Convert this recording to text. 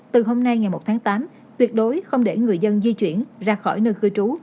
từ hôm nay ngày một tháng tám tuyệt đối không để người dân di chuyển ra khỏi nơi cư trú